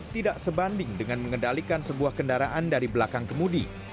tidak sebanding dengan mengendalikan sebuah kendaraan dari belakang kemudi